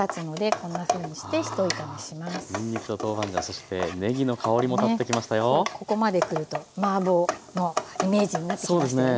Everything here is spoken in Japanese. ここまで来るとマーボーのイメージになってきましたよね。